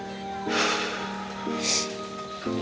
sita itu kenapa sih